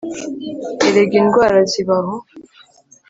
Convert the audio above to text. erega indwara zibaho